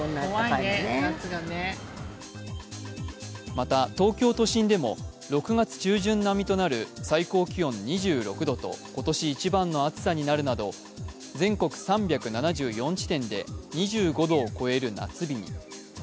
また東京都心でも６月中旬となる最高気温２６度と今年一番の暑さになるなど全国３７４地点で２５度を超える夏日に。